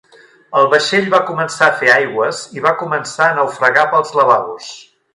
El vaixell va començar a fer aigües i va començar a naufragar pels lavabos.